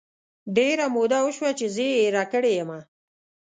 ډیره موده وشوه چې زه یې هیره کړی یمه